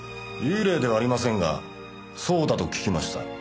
幽霊ではありませんがそうだと聞きました。